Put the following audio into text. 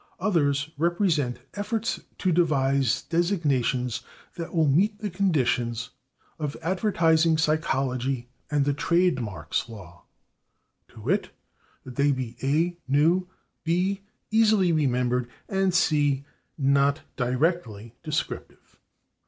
Others represent efforts to devise designations that will meet the conditions of advertising psychology and the trade marks law, to wit, that they [Pg166] be (/a/) new, (/b/) easily remembered, and (/c/) not directly descriptive.